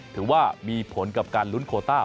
ถือว่ามีผลกับการลุ้นโคต้า